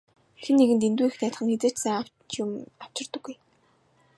Хэн нэгэнд дэндүү их найдах нь хэзээ ч сайн юм авчирдаггүй.